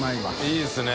いいですね。